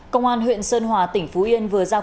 công an huyện sơn hòa tỉnh phú yên vừa giao